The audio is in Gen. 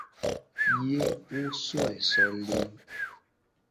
Ye wo soe so le.